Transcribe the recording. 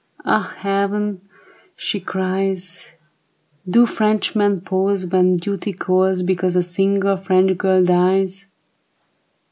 " Ah, Heaven," she cri\is, *' Do Frenchmen pause when duty calls Because a single French girl dies